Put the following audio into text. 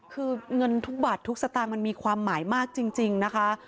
คือเงินทุกบัตรทุกสตางค์มันมีความหมายมากจริงนะคะ